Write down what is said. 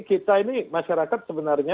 kita ini masyarakat sebenarnya